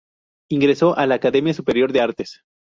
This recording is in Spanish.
Ingresó a la Academia Superior de Artes.